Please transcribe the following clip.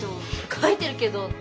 「書いてるけど」って。